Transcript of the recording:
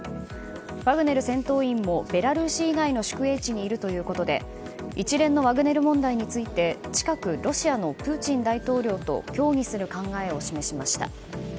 ワグネル戦闘員もベラルーシ以外の宿営地にいるということで一連のワグネル問題について近くロシアのプーチン大統領と協議する考えを示しました。